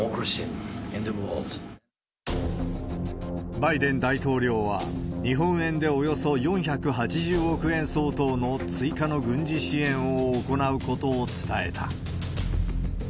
バイデン大統領は、日本円でおよそ４８０億円相当の追加の軍事支援を行うことを伝えた。